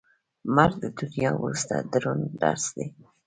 مرګ د دنیا وروستی دروند درس دی.